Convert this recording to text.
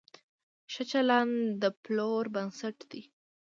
ښه چلند د پلور بنسټ دی.